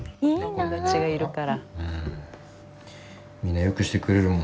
友達がいるから。